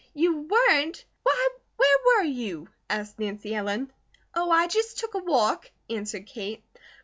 "You weren't? Why, where were you?" asked Nancy Ellen. "Oh, I just took a walk!" answered Kate.